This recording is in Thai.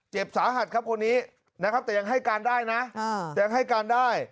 เจ็บสาหัสครับคนนี้นะครับแต่ยังให้การได้นะยังให้การได้